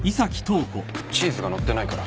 チーズが載ってないから。